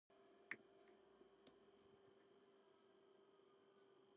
კრებული გამოირჩევა ეროტიკული სცენებით.